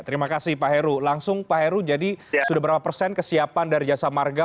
terima kasih pak heru langsung pak heru jadi sudah berapa persen kesiapan dari jasa marga